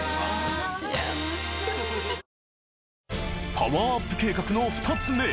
［パワーアップ計画の２つ目］